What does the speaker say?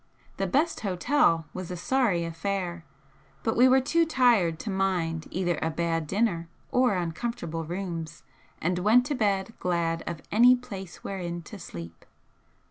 The 'best' hotel was a sorry affair, but we were too tired to mind either a bad dinner or uncomfortable rooms, and went to bed glad of any place wherein to sleep.